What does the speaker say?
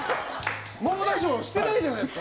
猛打賞してないじゃないですか。